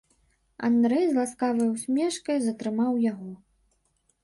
Андрэй з ласкавай усмешкай затрымаў яго.